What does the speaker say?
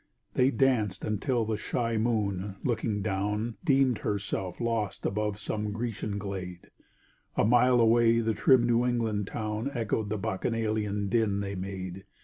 They danced until the shy moon looking down Deemed herself lost above some Grecian glade; A mile away the trim New England town Echoed the Bacchanalian din they made.